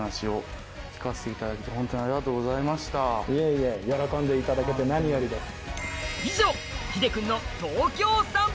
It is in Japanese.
いえいえ喜んでいただけて何よりです。